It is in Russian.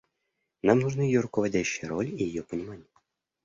Нам нужны ее руководящая роль и ее понимание.